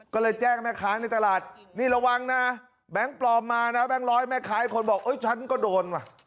ก็เลยแจ้งแม่ค้าในตลาดนี่ระวังนะแบงค์ปลอมมานะแบงค์ร้อยแม่ค้าอีกคนบอกเอ้ยฉันก็โดนว่ะ